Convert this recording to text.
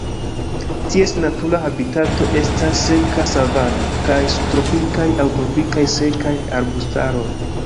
Ties natura habitato estas seka savano kaj subtropikaj aŭ tropikaj sekaj arbustaroj.